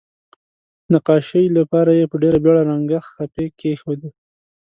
نقاشۍ لپاره یې په ډیره بیړه رنګه خپې کیښودې.